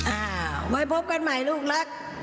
อ้าวมาพบกันใหม่ลูกรัก